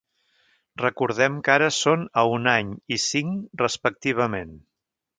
Recordem que ara són a un any i cinc, respectivament.